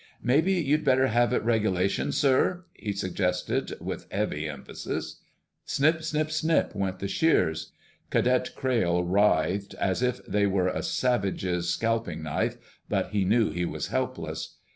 "Maybe you'd better have it regulation, sir," he suggested with heavy emphasis. Snip snip snip went the shears. Cadet Crayle writhed as if they were a savage's scalping knife, but he knew he was helpless.